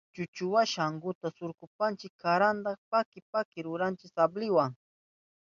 Chuchuwasha ankunta surkushpanchi karanta paki paki ruranchi sabliwa.